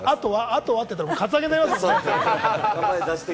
あとは？っていうとカツアゲになりますもんね。